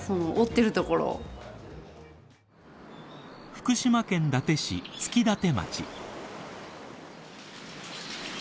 福島県伊達市月舘町。